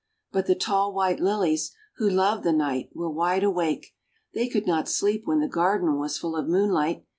But the tall white Lilies, who loved the night, were wide awake; they could not sleep when the garden was full of moonlight.